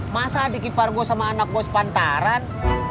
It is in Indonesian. masa adik ipar gue sama anak gue sepantaran